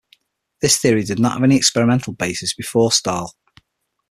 This theory did not have any experimental basis before Stahl.